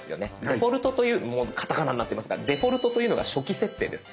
デフォルトというカタカナになってますがデフォルトというのが初期設定です。